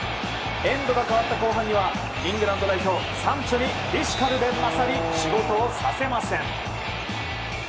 エンドが変わった後半にはイングランド代表サンチョにフィジカルで勝り仕事をさせません。